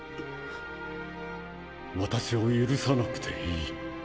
私を許さなくていい。